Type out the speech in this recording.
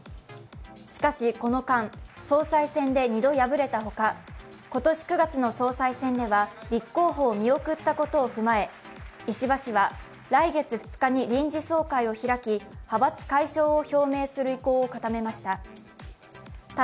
しかし、この間、総裁選で２度敗れたほか今年９月の総裁選では立候補を見送ったことを踏まえ石破氏は来月２日に臨時総会を開き派閥解消を表明する意向を固めました。